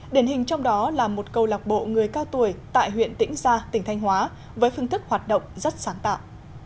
đền hình trong đó là một cơ lộc bộ người cao tuổi tại huyện tĩnh gia tỉnh thanh hóa với phương thức hoạt động rất sáng tạo